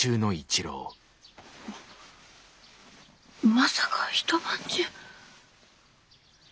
まさか一晩中？